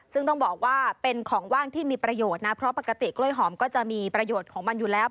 ซึ่งต้องบอกว่าเป็นของว่างที่มีประโยชน์นะเพราะปกติกล้วยหอมก็จะมีประโยชน์ของมันอยู่แล้ว